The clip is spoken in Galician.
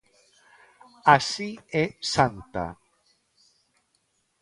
Así é Santa.